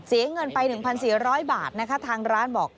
เสียเงินไป๑๔๐๐บาทนะคะทางร้านบอก